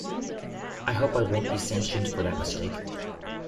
I hope I won't be sanctioned for that mistake.